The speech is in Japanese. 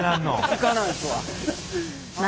いかないっすわ。